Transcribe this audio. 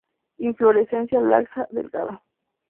Inflorescencia laxa, delgada.